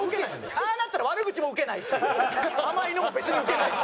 ああなったら悪口もウケないし甘いのも別にウケないし。